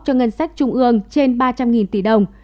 cho ngân sách trung ương trên ba trăm linh tỷ đồng